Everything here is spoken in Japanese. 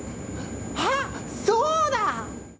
あっそうだ！